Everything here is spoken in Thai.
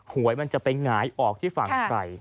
หวยมันจะไปหงายออกที่ฝั่งใคร